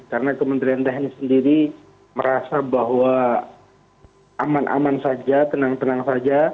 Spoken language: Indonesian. karena kementerian teknis sendiri merasa bahwa aman aman saja tenang tenang saja